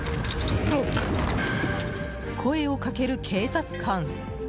声をかける警察官。